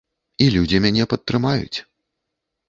І людзі мяне падтрымаюць.